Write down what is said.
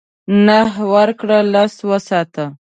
نهه ورکړه لس وساته .